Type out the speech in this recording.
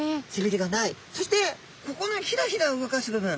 そしてここのひらひら動かす部分。